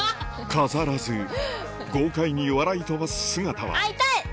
飾らず豪快に笑い飛ばす姿はあ痛い！